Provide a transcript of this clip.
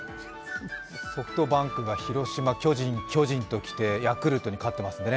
ソフトバンクが広島、巨人、巨人ときてヤクルトに勝ってますんでね。